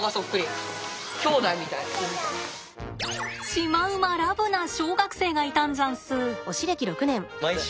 シマウマラブな小学生がいたんざんす。